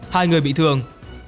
hai người bị thương